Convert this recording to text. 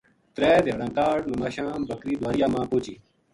ترے دھیاڑاں کاہڈ نماشاں بکری دواریاں ما پوہچی